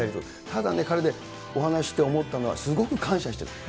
ただね、彼とお話しして思ったのは、すごく感謝してる。